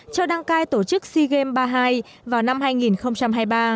cho đăng cai tổ chức sea games ba mươi hai vào năm hai nghìn hai mươi ba